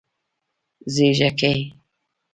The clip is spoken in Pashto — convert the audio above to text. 🦔 ږېږګۍ